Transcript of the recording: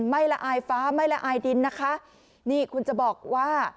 ละอายฟ้าไม่ละอายดินนะคะนี่คุณจะบอกว่า